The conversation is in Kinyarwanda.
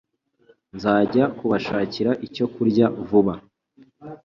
Nzajya kubashakira icyo kurya vuba.